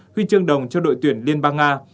huy chương đồng cho đội tuyển việt nam